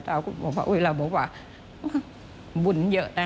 แล้วพระภาคก็บอกว่าบุญเยอะนะ